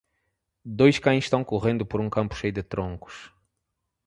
Dois cães estão correndo por um campo cheio de troncos.